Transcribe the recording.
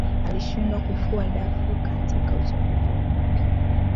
Alishindwa kufua dafu katika uchaguzi wa bunge